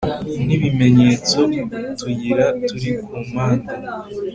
n ibimenyetso utuyira turi ku mpande